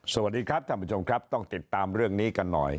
สวัสดีครับท่านผู้ชมครับต้องติดตามเรื่องนี้กันหน่อย